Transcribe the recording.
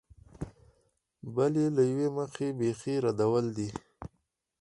بل یې له یوې مخې بېخي ردول دي.